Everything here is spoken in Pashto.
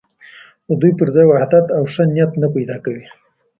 د دوی پر ځای وحدت او ښه نیت نه پیدا کوي.